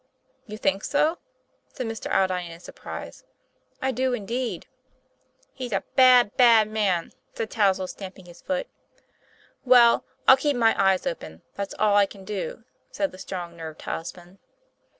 "You think so?" said Mr. Aldine, in surprise. "I do, indeed." " He's a bad, teaman," said Touzle, stamping his foot. "Well, I'll keep my eyes open; that's all I car do," said the strong nerved husband.